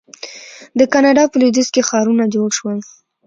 د کاناډا په لویدیځ کې ښارونه جوړ شول.